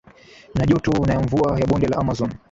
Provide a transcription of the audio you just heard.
ya joto na ya mvua ya bonde la Amazon